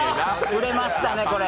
売れましたね、これ。